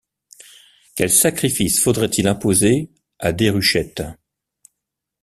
Quels sacrifices faudrait-il imposer à Déruchette?